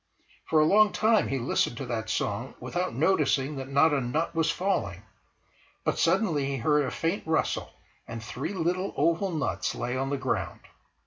For a long time he listened to that song without noticing that not a nut was falling. But suddenly he heard a faint rustle and three little oval nuts lay on the ground.